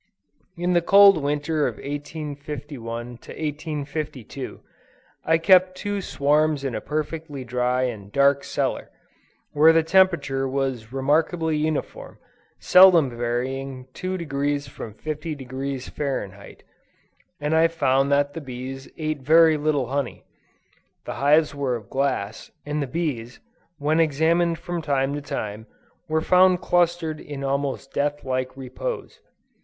In the cold Winter of 1851 2, I kept two swarms in a perfectly dry and dark cellar, where the temperature was remarkably uniform, seldom varying two degrees from 50° of Fahrenheit; and I found that the bees ate very little honey. The hives were of glass, and the bees, when examined from time to time, were found clustered in almost death like repose.